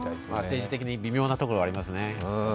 政治的に微妙なところがありますね。